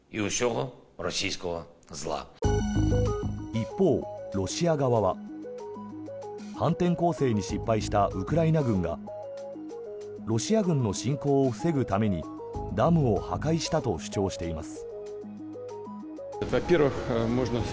一方、ロシア側は反転攻勢に失敗したウクライナ軍がロシア軍の侵攻を防ぐためにダムを破壊したと主張しています。